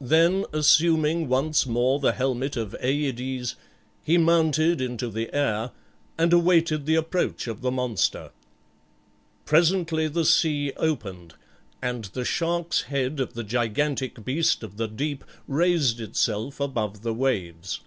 Then assuming once more the helmet of Aïdes, he mounted into the air, and awaited the approach of the monster. Presently the sea opened, and the shark's head of the gigantic beast of the deep raised itself above the waves.